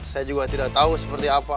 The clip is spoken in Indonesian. saya juga tidak tahu seperti apa